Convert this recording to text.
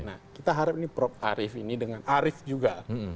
nah kita harap ini prof arief ini dengan arief juga